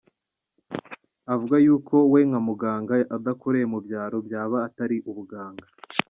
Avuga yuko we nk’umuganga adakoreye mu byaro byaba ari atari ubuganga !